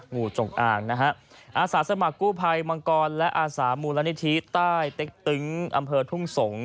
งูจงอ่างนะฮะอาสาสมัครกู้ภัยมังกรและอาสามูลนิธิใต้เต็กตึงอำเภอทุ่งสงศ์